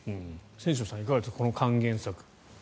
千正さんいかがですかこの還元策。